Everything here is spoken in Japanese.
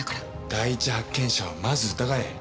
第一発見者をまず疑え。